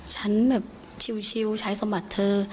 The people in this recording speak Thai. ฉันแบบชิวใช้สมบัติเธอ